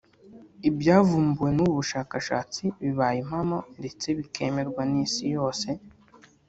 Ibyavumbuwe n’ubu bushakashatsi bibaye impamo ndetse bikemerwa n’isi yose